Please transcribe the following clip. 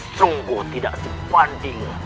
sungguh tidak sebanding